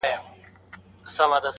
چي د ځوانیو هدیرې وژاړم-